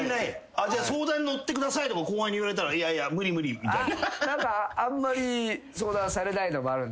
相談に乗ってくださいとか後輩に言われたらいやいや無理無理みたいな？